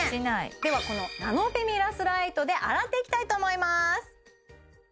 ではこのナノフェミラスライトで洗っていきたいと思います